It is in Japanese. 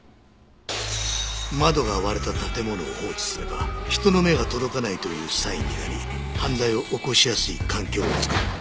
窓が割れた建物を放置すれば人の目が届かないというサインになり犯罪を起こしやすい環境を作る。